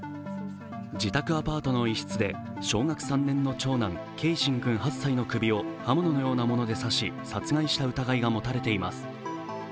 自宅アパートの一室で小学３年の長男・継真君８歳の首を刃物のようなもので刺し殺害した疑いが持たれています。